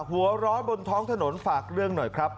หัวร้อนบนท้องถนนฝากเรื่องหน่อยครับ